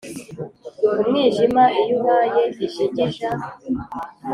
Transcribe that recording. Umwijima iyo ubaye ijigija